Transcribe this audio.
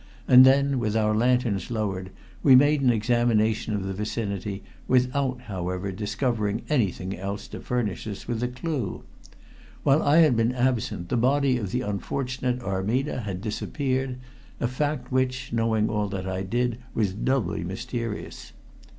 And then, with our lanterns lowered, we made an examination of the vicinity, without, however, discovering anything else to furnish us with a clew. While I had been absent the body of the unfortunate Armida had disappeared a fact which, knowing all that I did, was doubly mysterious.